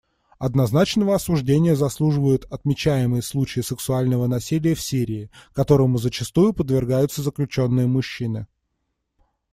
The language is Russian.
Однозначного осуждения заслуживают отмечаемые случаи сексуального насилия в Сирии, которому зачастую подвергаются заключенные-мужчины.